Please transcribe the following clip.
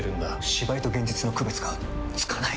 芝居と現実の区別がつかない！